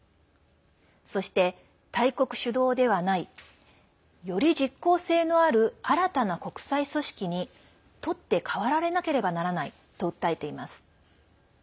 そして、大国主導ではないより実効性のある新たな国際組織に取って代わられなければならないと訴えています。